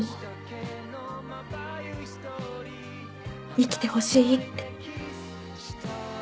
生きてほしいって。